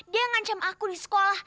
dia yang ngancem aku di sekolah